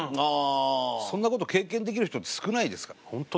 そんな事経験できる人って少ないですからね。